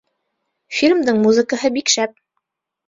Фильмдың музыкаһы бик шәп